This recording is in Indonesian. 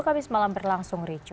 habis malam berlangsung ricu